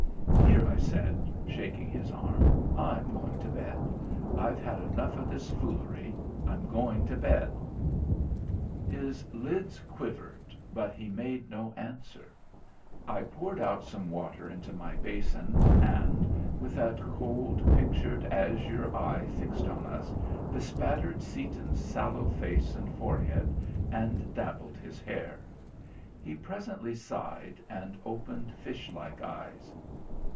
"Here," I said, shaking his arm, "I'm going to bed; I've had enough of this foolery; I'm going to bed." His lids quivered, but he made no answer. I poured out some water into my basin and, with that cold pictured azure eye fixed on us, bespattered Seaton's sallow face and forehead and dabbled his hair. He presently sighed and opened fish like eyes.